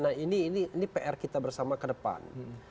nah ini pr kita bersama ke depan